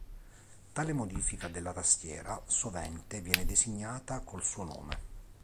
Tale modifica della tastiera sovente viene designata col suo nome.